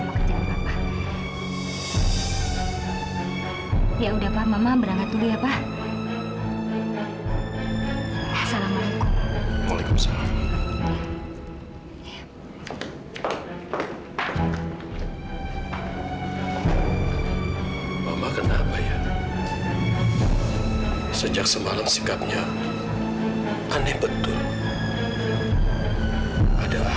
nggak jadi pulang nggak jadi sama camilla pulang